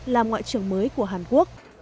là ngoại trưởng mới của hàn quốc